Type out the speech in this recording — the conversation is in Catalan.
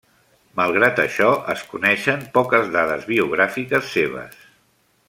Malgrat això, es coneixen poques dades biogràfiques seves.